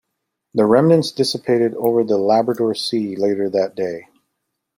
The remnants dissipated over the Labrador Sea later that day.